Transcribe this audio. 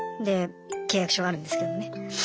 で契約書があるんですけどね